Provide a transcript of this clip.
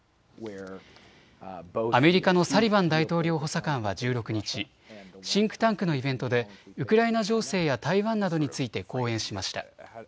アメリカのサリバン大統領補佐官は１６日、シンクタンクのイベントでウクライナ情勢や台湾などについて講演しました。